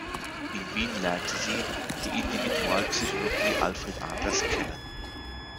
In Wien lernte sie die Individualpsychologie Alfred Adlers kennen.